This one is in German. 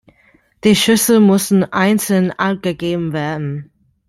Die Schüsse müssen einzeln abgegeben werden.